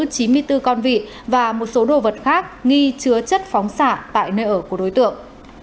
có chín mươi bốn con vị và một số đồ vật khác nghi chứa chất phóng xạ tại nơi ở của đối tượng